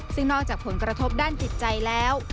ซึ่งนอกจากผลกระทบด้านจิตใจแล้ว